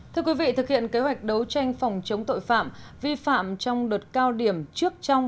thưa quý vị thực hiện kế hoạch đấu tranh phòng chống tội phạm vi phạm trong đợt cao điểm trước trong